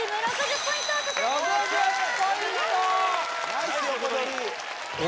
ナイス横取り